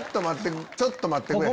ちょっと待ってくれ。